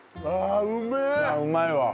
うまいわ。